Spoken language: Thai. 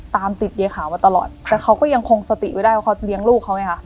ตามติดยายขาวมาตลอดแต่เขาก็ยังคงสติไว้ได้ว่าเขาเลี้ยงลูกเขาไงค่ะ